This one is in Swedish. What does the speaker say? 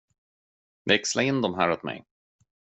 Växla in de här åt mig.